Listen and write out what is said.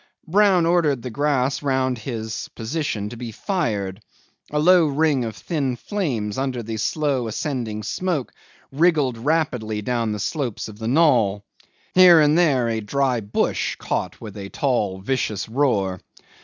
Brown ordered the grass round his position to be fired; a low ring of thin flames under the slow ascending smoke wriggled rapidly down the slopes of the knoll; here and there a dry bush caught with a tall, vicious roar.